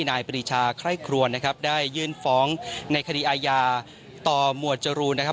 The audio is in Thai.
นายปรีชาไคร่ครวนนะครับได้ยื่นฟ้องในคดีอาญาต่อหมวดจรูนนะครับ